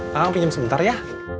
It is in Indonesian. kamu pinjam sebentar ya